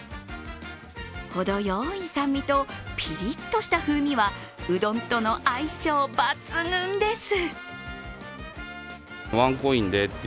ほどよい酸味とピリッとした風味は、うどんとの相性抜群です。